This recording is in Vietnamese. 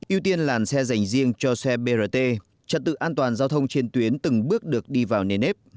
ưu tiên làn xe dành riêng cho xe brt trật tự an toàn giao thông trên tuyến từng bước được đi vào nền nếp